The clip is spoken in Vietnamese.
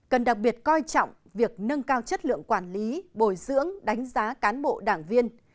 cần đặc biệt coi trọng việc nâng cao chất lượng quản lý bồi dưỡng đánh giá cán bộ đảng viên